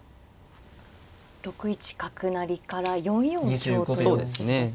６一角成から４四香という筋ですか？